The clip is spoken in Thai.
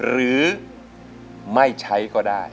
หรือไม่ใช้ก็ได้